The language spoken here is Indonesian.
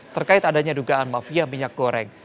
terkait adanya dugaan mafia minyak goreng